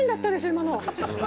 今の。